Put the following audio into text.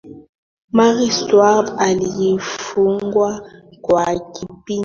mary stuart alifungwa kwa kipindi cha miaka kumi na nane